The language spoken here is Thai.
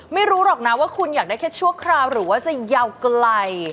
ไม่รู้หรอกนะว่าคุณอยากได้แค่ชั่วคราวหรือว่าจะยาวไกล